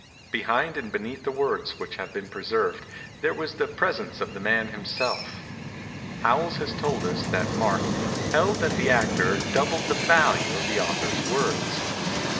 Behind and beneath the words which have been preserved there was the presence of the man himself. Howells has told us that Mark "held that the actor doubled the value of the author's words."